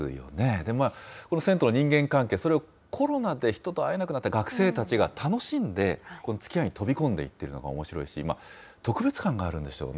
でも、この銭湯の人間関係、それをコロナで人と会えなくなった学生たちが楽しんで、つきあいに飛び込んでいってるのがおもしろいし、特別感があるんでしょうね。